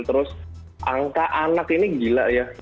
terus angka anak ini gila ya